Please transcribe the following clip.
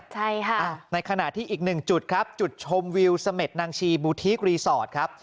ใช่ค่ะในขณะที่อีกหนึ่งจุดครับจุดชมวิวเสม็ดนางชีบูธิกรีสอร์ทครับ